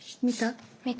見た？